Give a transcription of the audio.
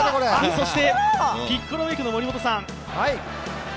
そしてピッコロメイクの森本さん。